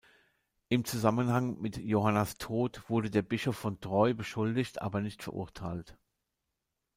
Im Zusammenhang mit Johannas Tod wurde der Bischof von Troyes beschuldigt, aber nicht verurteilt.